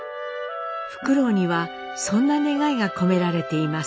ふくろうにはそんな願いが込められています。